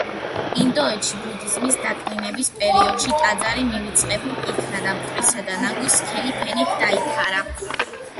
ინდოეთში ბუდიზმის დაკნინების პერიოდში, ტაძარი მივიწყებულ იქნა და მტვრისა და ნაგვის სქელი ფენით დაიფარა.